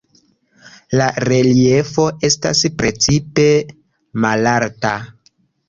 La "reliefo" estas precipe malalta.